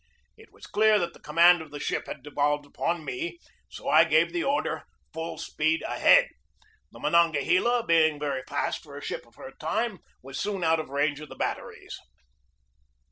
It was clear that the command of the ship had devolved upon me, so I gave the order, "Full speed ahead!" The Monongahela, being very fast for a ship of her time, was soon out of range of the batteries.